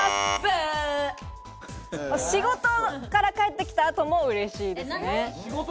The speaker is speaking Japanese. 仕事から帰ってきた後も嬉しいですね。